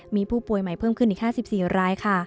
มีผู้ป่วยใหม่เพิ่มขึ้นอีกห้าสิบสี่รายค่ะ